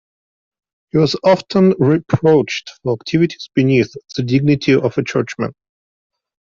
He was often reproached for activities beneath the dignity of a churchman.